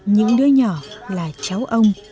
những đứa nhỏ là cháu ông